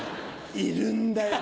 いるんだよ！